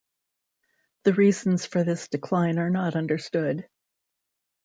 The reasons for this decline are not understood.